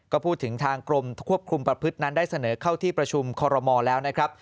ก็พูดถึงทางกรมควบคุมประพฤตินั้นได้เสนอเข้าที่ประชุมคอรมอลแล้วนะครับ